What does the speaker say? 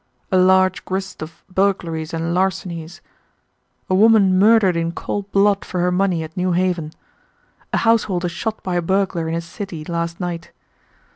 A large grist of burglaries and larcenies. A woman murdered in cold blood for her money at New Haven. A householder shot by a burglar in this city last night.